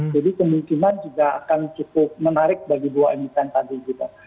jadi kemungkinan juga akan cukup menarik bagi dua emiten tadi gitu